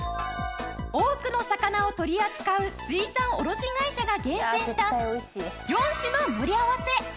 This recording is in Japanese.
多くの魚を取り扱う水産卸会社が厳選した４種の盛り合わせ。